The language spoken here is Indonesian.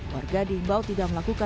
warga diimbau tidak melaksanakan